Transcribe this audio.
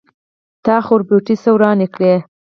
تا خربوټي څه ورانی کړی.